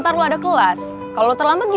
gara gara si ceusus goreng diancur mood gue